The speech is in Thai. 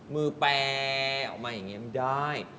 มือแปลออกมายังไงไม่ได้